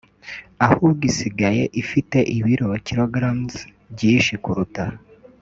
ahubwo isigaye ifite ibiro(kgs) byinshi kuruta